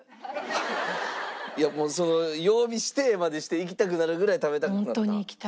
いやもう曜日指定までして行きたくなるぐらい食べたくなった？